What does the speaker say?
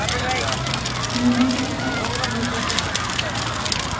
نینۆکت بکە با خاوێن بی